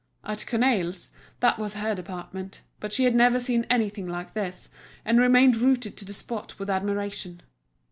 At Cornaille's that was her department, but she had never seen anything like this, and remained rooted to the spot with admiration.